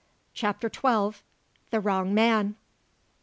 CHAPTER TWELVE. THE WRONG MAN.